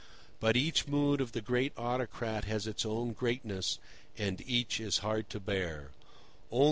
But each mood of the great autocrat has its own greatness, and each is hard to bear.